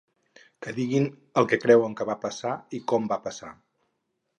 Que diguin el què creuen que va passar i com va passar.